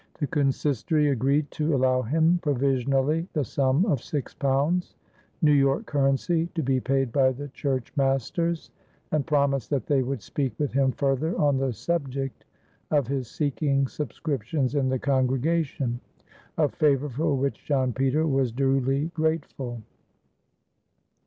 The consistory agreed to allow him provisionally the sum of six pounds, New York currency, to be paid by the church masters and promised that they would speak with him further on the subject of his seeking subscriptions in the congregation, a favor for which John Peter was duly grateful.